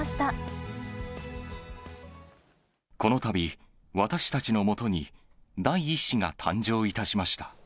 このたび、私たちのもとに第１子が誕生いたしました。